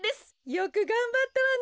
よくがんばったわね。